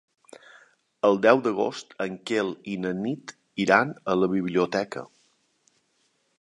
El deu d'agost en Quel i na Nit iran a la biblioteca.